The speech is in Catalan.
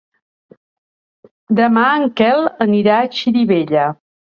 Demà en Quel anirà a Xirivella.